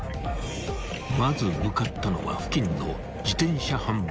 ［まず向かったのは付近の自転車販売店］